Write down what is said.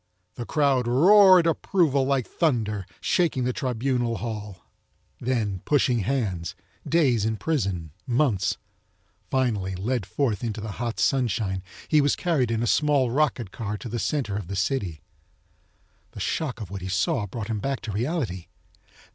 The crowd roared approval like thunder shaking the tribunal hall. Then, pushing hands, days in prison, months. Finally, led forth into the hot sunshine, he was carried in a small rocket car to the center of the city. The shock of what he saw brought him back to reality.